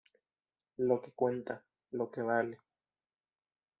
Lo que cuenta, lo que vale.